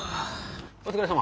お疲れさま！